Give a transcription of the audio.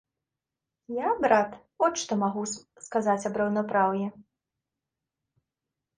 Я, брат, от што магу сказаць аб раўнапраўі.